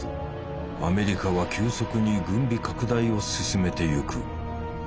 アメリカは急速に軍備拡大を進めてゆく。